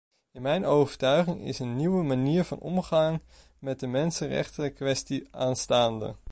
In mijn overtuiging is een nieuwe manier van omgang met de mensenrechtenkwestie aanstaande.